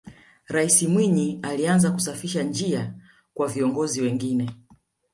raisi mwinyi alianza kusafisha njia kwa viongozi wengine